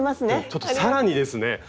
ちょっと更にですね